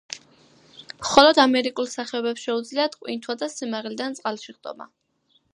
მხოლოდ ამერიკულ სახეობებს შეუძლიათ ყვინთვა და სიმაღლიდან წყალში ხტომა.